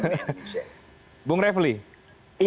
yang lebih baik yang lebih baik yang lebih baik